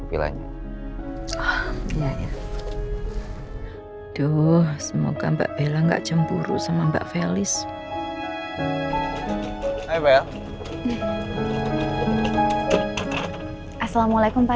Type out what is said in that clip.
belanya ya ya duh semoga mbak bella nggak cemburu sama mbak felis hai bel assalamualaikum pak